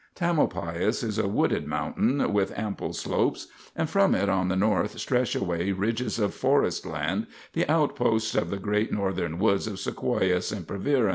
Tamalpais is a wooded mountain, with ample slopes, and from it on the north stretch away ridges of forest land, the outposts of the great Northern woods of Sequoia sempervirens.